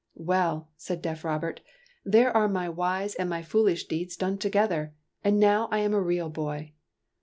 "Well," said deaf Robert, "there are my wise and my foolish deeds done together, and now I am a real boy!